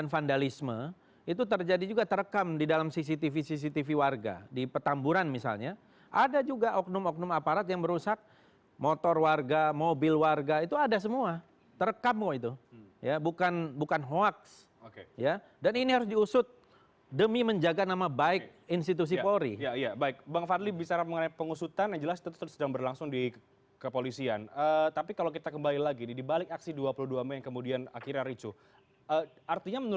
nanti dilihat apa yang disebut dengan abuse of power